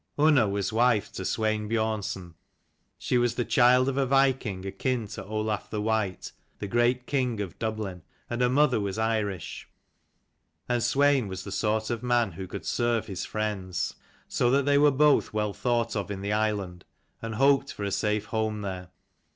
Unna was wife to Swein Biornson. She was the child of a viking akin to Olaf the White, the great King of Dublin, and her mother was Irish. Unna was a notable dame, and Swein was the sort of man who could serve his friends ; so that they were both well thought of in the island, and hoped for a safe home there.